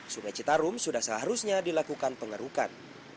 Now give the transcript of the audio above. sungai citarum sudah seharusnya dilakukan pengerukan